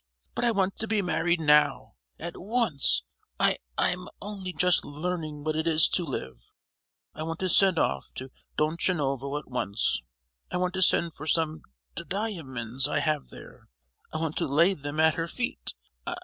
"But I want to be married now, at once. I—I'm only just learning what it is to live. I want to send off to Donchanovo at once. I want to send for some di—iamonds I have there. I want to lay them at her feet.